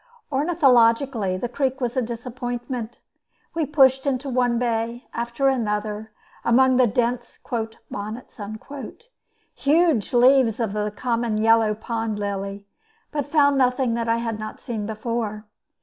Ornithologically, the creek was a disappointment. We pushed into one bay after another, among the dense "bonnets," huge leaves of the common yellow pond lily, but found nothing that I had not seen before.